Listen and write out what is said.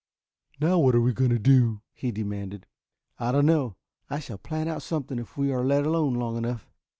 Now what are we going to do?" he demanded. "I don't know. I shall plan out something if we are let alone long enough."